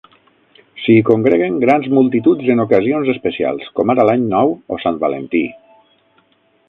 S'hi congreguen grans multituds en ocasions especials com ara l'any nou o Sant Valentí.